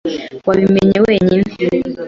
Wabimenye wenyine?